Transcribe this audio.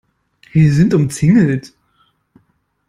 Wir sind umzingelt.